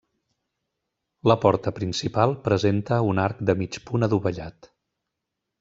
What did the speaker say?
La porta principal presenta un arc de mig punt adovellat.